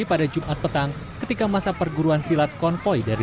pemilik warung berusaha menyelamatkan korban